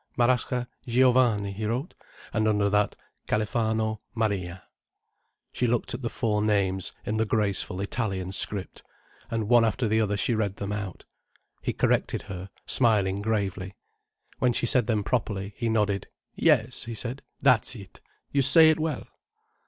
"Marasca Giovanni," he wrote, and under that "Califano Maria." She looked at the four names, in the graceful Italian script. And one after the other she read them out. He corrected her, smiling gravely. When she said them properly, he nodded. "Yes," he said. "That's it. You say it well."